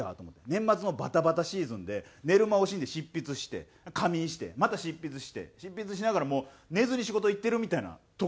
年末のバタバタシーズンで寝る間を惜しんで執筆して仮眠してまた執筆して執筆しながらもう寝ずに仕事行ってるみたいな時やったんですよね。